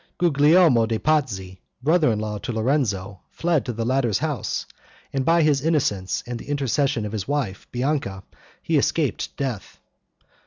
Guglielmo de' Pazzi, brother in law to Lorenzo, fled to the latter's house, and by his innocence and the intercession of his wife, Bianca, he escaped death.